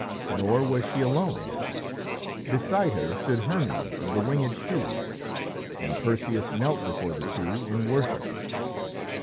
Nor was she alone. Beside her stood Hermes of the winged shoes, and Perseus knelt before the two in worship.